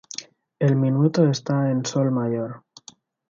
El minueto está en "sol mayor".